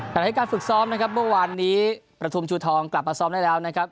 การให้การฝึกซ้อมนะครับวันนี้ประธุมชูทองกลับมาซ้อมได้แล้วนะครับ